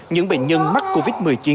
những bệnh nhân mắc covid một mươi chín